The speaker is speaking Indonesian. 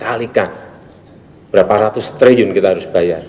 alihkan berapa ratus triliun kita harus bayar